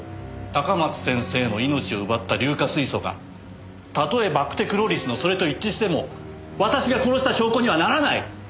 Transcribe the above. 高松先生の命を奪った硫化水素がたとえバクテクロリスのそれと一致しても私が殺した証拠にはならない！